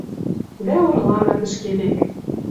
Дӓ орлана тӹшкевек